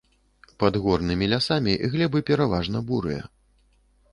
Пад горнымі лясамі глебы пераважна бурыя.